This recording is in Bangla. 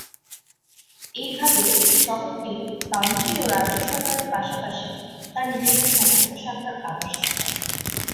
এইভাবে, শহরটি কাউন্টি ও রাজ্য সরকারের পাশাপাশি তার নিজস্ব সমস্ত শাখার আবাসস্থল।